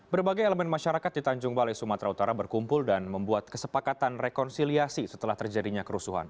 berbagai elemen masyarakat di tanjung balai sumatera utara berkumpul dan membuat kesepakatan rekonsiliasi setelah terjadinya kerusuhan